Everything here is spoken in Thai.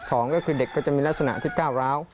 สองก็คือเด็กก็จะมีลักษณะที่ก้าวร้าว